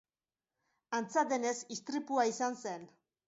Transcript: Antza denez, istripua izan zen.